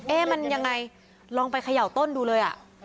มันยังไงลองไปเขย่าต้นดูเลย